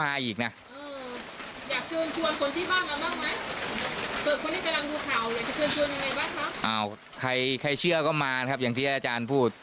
ใครเชื่อก็มานะครับอย่างที่อาจารย์พูด